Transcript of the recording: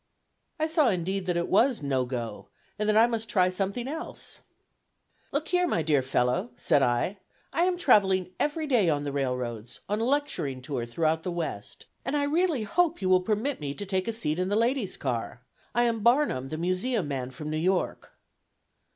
I saw indeed that it was "no go," and that I must try something else; "Look here, my dear fellow," said I; "I am travelling every day on the railroads, on a lecturing tour throughout the West, and I really hope you will permit me to take a seat in the ladies' car. I am Barnum, the Museum man from New York."